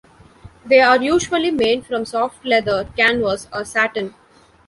They are usually made from soft leather, canvas or satin.